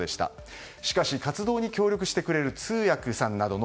しかし、活動に協力している通訳さんなどの